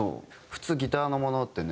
普通ギターのものってね